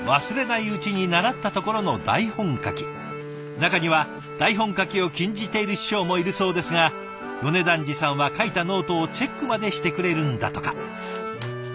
中には台本書きを禁じている師匠もいるそうですが米團治さんは書いたノートをチェックまでしてくれるんだとか。